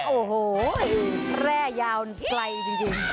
โอ้โหแร่ยาวไกลจริง